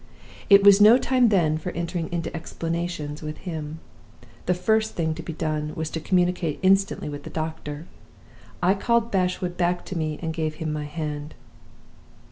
It was no time then for entering into explanations with him. The first thing to be done was to communicate instantly with the doctor. I called Bashwood back to me and gave him my hand.